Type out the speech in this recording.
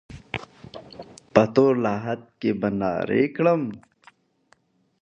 په تور لحد کي به نارې کړم.!